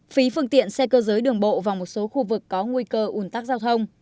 phí phương tiện xe cơ giới đường bộ và một số khu vực có nguy cơ ủn tắc giao thông